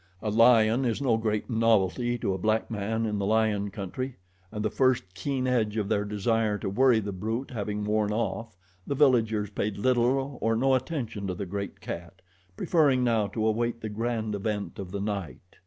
A lion is no great novelty to a black man in the lion country, and the first keen edge of their desire to worry the brute having worn off, the villagers paid little or no attention to the great cat, preferring now to await the grand event of the night.